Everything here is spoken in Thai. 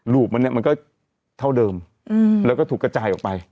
ลูปมันก็เท่าเดิมแล้วก็ถูกกระจายออกไป